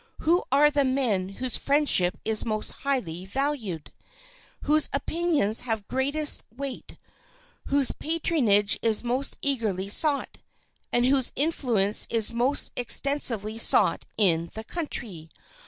Who are the men whose friendship is most highly valued, whose opinions have greatest weight, whose patronage is most eagerly sought, and whose influence is most extensively sought in the country?